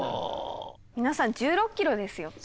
皆さん１６ｋｍですよ。